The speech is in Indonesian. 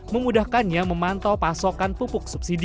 memudahkannya memantau pasokan pupuk subsidi